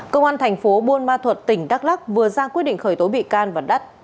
công an thành phố buôn ma thuật tỉnh đắk lắc vừa ra quyết định khởi tố bị can và đắt